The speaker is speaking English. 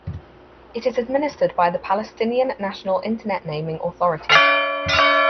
It is administered by the Palestinian National Internet Naming Authority.